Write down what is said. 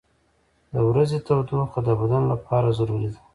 • د ورځې تودوخه د بدن لپاره ضروري ده.